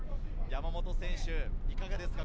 山本選手。